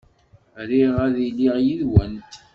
Riɣ ad iliɣ yid-went.